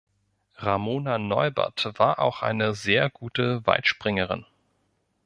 Ramona Neubert war auch eine sehr gute Weitspringerin.